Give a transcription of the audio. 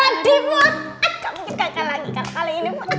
aduh kaget kaget lagi kali kali ini bu